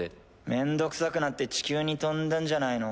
めんどくさくなって地球に飛んだんじゃないの？